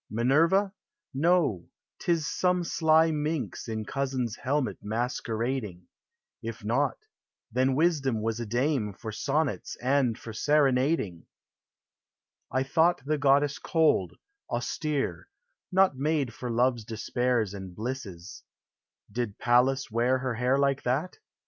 Minerva ? No ! 't is some sly minx In cousin's helmet masquerading ; If not — then Wisdom was a dame For sonnets and for serenading ! I thought the goddess cold, austere, Not made for love's despairs and blisses ; THE ARTS. 383 Did Pallas wear her hair like that?